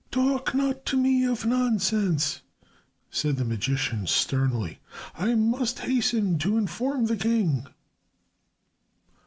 "Talk not to me of nonsense," said the magician, sternly. "I must hasten to inform the king."